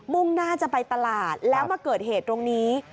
่งหน้าจะไปตลาดแล้วมาเกิดเหตุตรงนี้